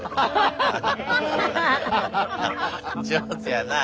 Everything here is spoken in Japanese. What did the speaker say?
上手やなあ。